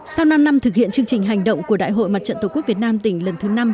sau năm năm thực hiện chương trình hành động của đại hội mặt trận tổ quốc việt nam tỉnh lần thứ năm